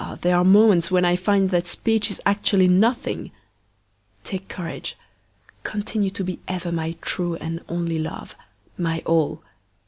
there are moments when I find that speech is actually nothing. Take courage! Continue to be ever my true and only love, my all!